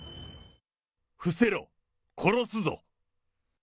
伏せろ、殺すぞ。